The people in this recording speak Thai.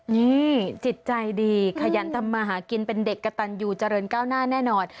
นี่จิตใจดีขยันทำมาหากินเป็นเด็กกระตันยูเจริญก้าวหน้าแน่นอน